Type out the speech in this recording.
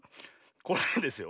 これですよ。